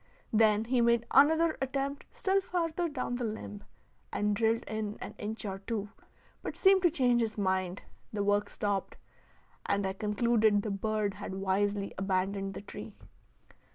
Then he made another attempt still farther down the limb, and drilled in an inch or two, but seemed to change his mind; the work stopped, and I concluded the bird had wisely abandoned the tree.